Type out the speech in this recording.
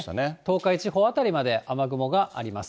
東海地方辺りまで雨雲があります。